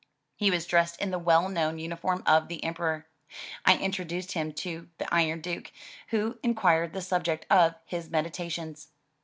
He was dressed in the well known uniform of the Emperor. I introduced him to the "Iron Duke," who in quired the subject of his meditations.